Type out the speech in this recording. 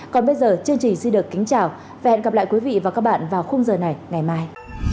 còn bây giờ chương trình xin được kính chào và hẹn gặp lại quý vị và các bạn vào khung giờ này ngày mai